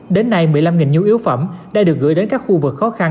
đến nay một mươi năm nhu yếu phẩm đã được gửi đến các khu vực khó khăn